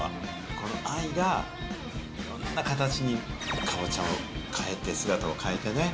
この愛がいろんな形にカボチャを変えて、姿を変えてね。